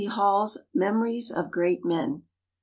Hall's Memories of Great Men.